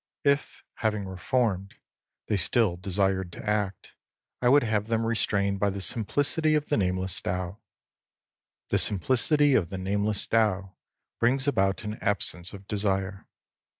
If, having reformed, they still desired to act, I would have them re strained by the simplicity of the Nameless Tao. The simplicity of the Nameless Tao brings about an absence of desire.